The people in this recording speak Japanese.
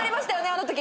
あの時。